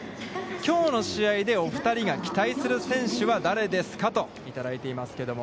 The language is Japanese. きょうの試合で、お二人が期待する選手は誰ですか？といただいてますけども。